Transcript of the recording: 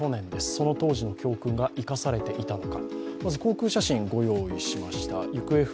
その当時の教訓が生かされていたのか。